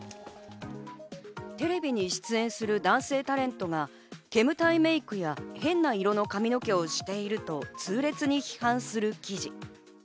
テレビに出演する男性タレントがけむたいメイクや変な色の髪の毛をしていると痛烈に批判する記事。